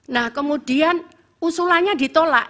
nah kemudian usulannya ditolak